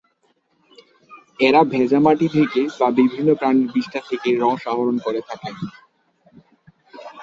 এরা ভেজা মাটি থেকে বা বিভিন্ন প্রাণীর বিষ্ঠা থেকে রস আহরণ করে থাকে।